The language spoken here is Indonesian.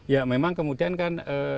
ya memang kemudian kan